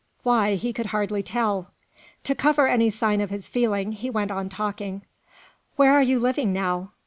Why, he could hardly tell. To cover any sign of his feeling he went on talking. "Where are you living now?"